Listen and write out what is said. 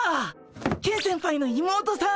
ケン先輩の妹さん！